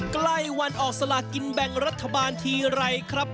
ใกล้วันออกสลากินแบ่งรัฐบาลทีไรครับ